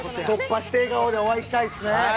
突破して笑顔で迎えたいですね。